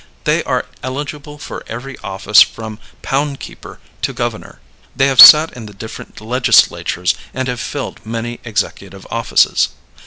They are eligible for every office from pound keeper to Governor. They have sat in the different Legislatures and have filled many executive offices.